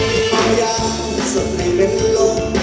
เหมาะยากสนในเป็นหลง